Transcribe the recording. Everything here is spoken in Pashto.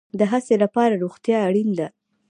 د هڅې لپاره روغتیا اړین ده